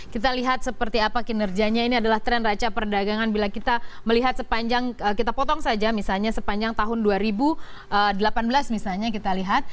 kita lihat seperti apa kinerjanya ini adalah tren raca perdagangan bila kita melihat sepanjang kita potong saja misalnya sepanjang tahun dua ribu delapan belas misalnya kita lihat